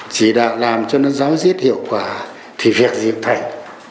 chỉ đạo làm cho nó giáo diết hiệu quả thì việc diễm thành